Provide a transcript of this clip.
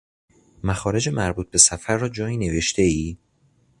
مخارج مربوط به سفر را جایی نوشتهای؟